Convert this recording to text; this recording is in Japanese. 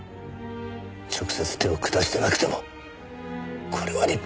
直接手を下してなくてもこれは立派な殺人だ！